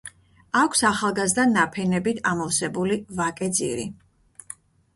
აქვს ახალგაზრდა ნაფენებით ამოვსებული ვაკე ძირი.